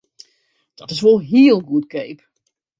Dat is wol hiel goedkeap!